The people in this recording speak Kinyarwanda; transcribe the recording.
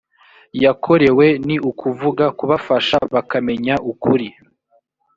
yakorewe ni ukuvuga kubafasha bakamenya ukuri